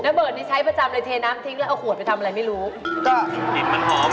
น้ำเบิร์ตนี่ใช้ประจำเลยเทน้ำทิ้งแล้วเอาขวดไปทำอะไรไม่รู้